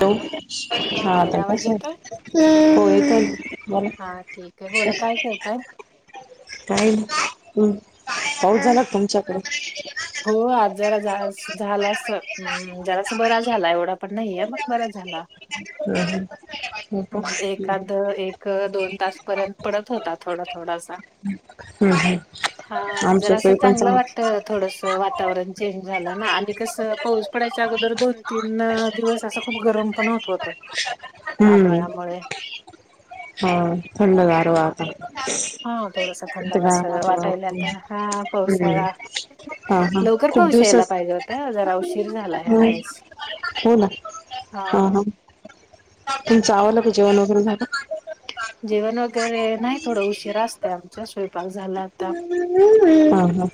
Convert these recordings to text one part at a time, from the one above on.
ट हॅलो हा ताई तर कस आवाज येतोय आहे होयला [unintelligible] हा ठीक आहे बोला काय करताय. काही नाही हम् पाऊस झाला तुमच्याकडे? हो आज जरा झालासा जरास बरा झाला एवढा पण नाहीय मग बरा झाला. हम्म हम्म हो का एकाद हम्म एक दोन तास पर्यंत पडत होता थोडा थोडासा. हम् हम हा जर असं चांगलं वाटत थोडस वातावरण चेंज झालं ना आणि कसं पाऊस पडायचं त्याच्या अगोदर दोन तीन दिवस असं खूप गरम पण होत होत. हम्म हा थंड गार वारं हा थोडासा थंड वासा वाटायलाता हा हम्म पावसाळा हा हा लवकर खूप पाऊस यायला दिवसाच पाहिजे होत जरा उशीर झाला ह्या हो वेळेस. हो ना. हा हा हां. तुमचं आवंरलं का जेवण वगैरे झालं? जेवण वगैरे नाही थोडं उशीर असतय आमचा स्वयंपाक झाला आता. हा हा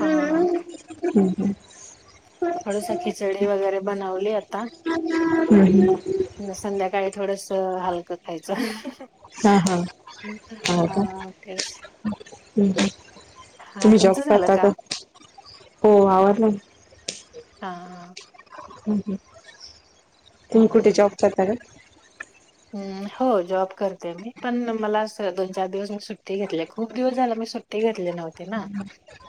हा ह. थोडंसं खिचडी वगैरे बनवली आता हम्म संध्याका काय थोडस हलकं खायचं. हा हा हो का हा तेच हम् ह. हा तुम्ही तुमचं जॉब झालं करता का हो आवडला. हा हा. हम हम तुम्ही कुठे जॉब करता का? हम हो जॉब करते मी पण मला दोन चार दिवस मी सुट्टी घेतली खूप दिवस झाला सुट्टी घेतली नव्हती ना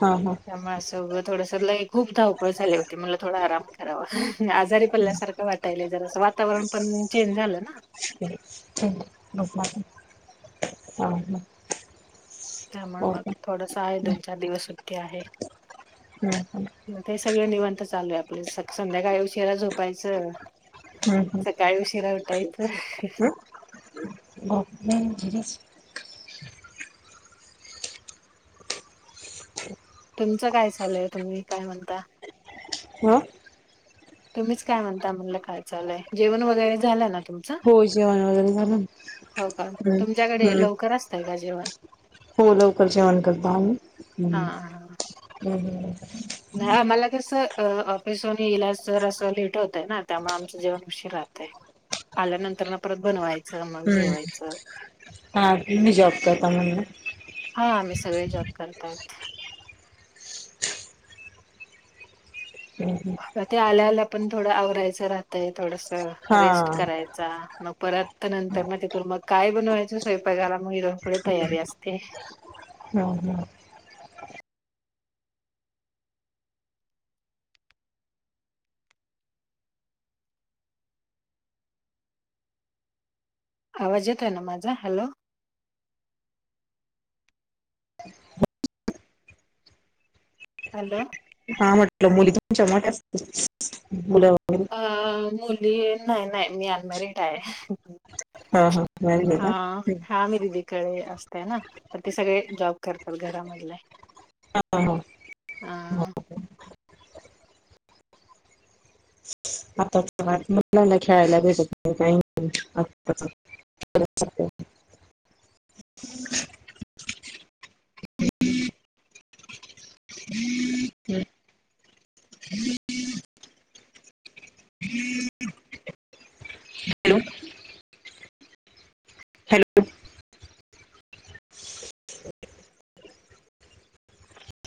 हा हा असं थोडंसं लय खूप धावपळ झाली होती मला थोडा आराम करावा आजारी पडल्यासारखं वाटायला जरास. वातावरण पण चेंज झालं ना. [unintelligible] त्यामुळे हो मग का थोडस आहे दोन चार दिवस सुट्टी आहे. हम. मग ते हे सगळं निवांंत चालू आहे आपले संध्याकाळी उशीरा झोपायचं. हम्म सकाळी उशिरा उठायचं हम् ह. मग घरीच [unintelligible] तुमचं काय चालय तुम्ही काय म्हणता. हा तुम्हीच काय म्हणता म्हणलं काय चालय. जेवण वगैरे झालं ना तुमचं? हो जेवण वगैरे झालं ना हो का हम्म तुमच्याकडे हम्म लवकर असतय का जेवण? हो लवकर जेवण करतो आम्ही. नाय आम्हाला कसं अ ऑफिस वरून यायला असं लेट होतय ना त्यामुळे आमचं जेवण उशीर राहंतय. आल्यानंतर ना परत बनवायचं मग हम्म जेवायचं. हा तुम्ही जॉब करता म्हणलं हा आम्ही सगळे जॉब करतायत. हम्म हम्म ते आल्याला पण थोडं आवरायचं राहतंय थोडंस हा रेस्ट करायचा मग परत नंतर मग तिथून मग काय बनवायच स्वयंपाकाला मग इथून पुढे तयारी असते. हा हा आवाज येत आहे ना माझा? हॅलो. हॅलो हा म्हटलं मुली तुमच्या मोठया असतील मुलं. वगैरे अ मुली नाही नाही मी अनमारिएड आहे. हा हा. मॅरेज आहे हा का? हा मी दिदीकडे असते ना पण ते सगळे जॉब करतात घरामधले. हा हा. अ आता मुलांना खेळायला भेटत नाही [unintelligible] [inaudible] हम्म. [inaudible] Hello hello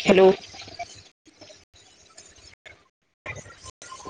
hello